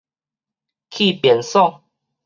去便所